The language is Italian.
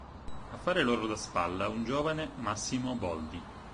A fare loro da spalla, un giovane Massimo Boldi.